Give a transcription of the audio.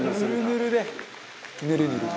「ぬるぬるで」